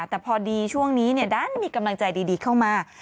แต่พอดีช่วงนี้ดันมีกำลังใจดีเข้ามา